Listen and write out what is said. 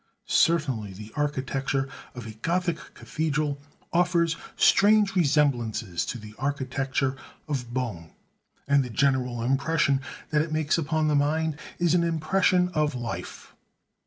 Certainly the architecture of a Gothic cathedral offers strange resemblances to the architecture of bone; and the general impression that it makes upon the mind is an impression of life.